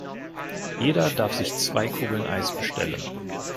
Jeder darf sich zwei Kugeln Eis bestellen.